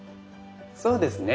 そうですね。